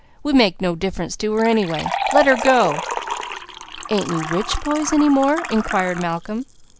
We make no difference to her anyway. Let her go!" "Ain't we rich boys any more?" inquired Malcolm.